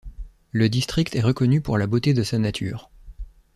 Le district est reconnu pour la beauté de sa nature.